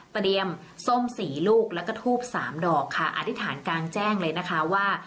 เตรียมส้มสี่ลูกแล้วก็ทูบสามดอกค่ะอธิษฐานกลางแจ้งเลยนะคะว่า